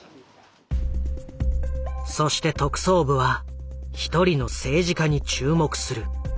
そして特捜部は一人の政治家に注目する。